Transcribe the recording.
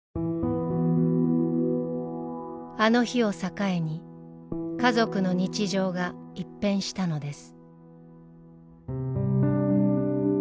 あの日を境に家族の日常が一変したのです。